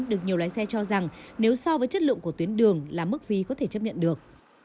được nhiều lái xe cho rằng nếu so với chất lượng của tuyến đường là mức phí có thể chấp nhận được